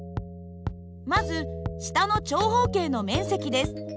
まず下の長方形の面積です。